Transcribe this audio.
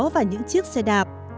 và những chiếc xe đạp